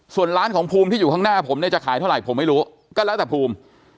ส่วนร้านของภูมิที่อยู่ข้างหน้าผมเนี่ยจะขายเท่าไหร่ผมไม่รู้ก็แล้วแต่ภูมิ